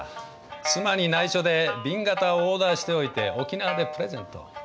妻にないしょで紅型をオーダーしておいて沖縄でプレゼント。